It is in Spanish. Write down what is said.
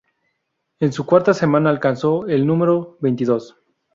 En su cuarta semana, alcanzó el número veintidós.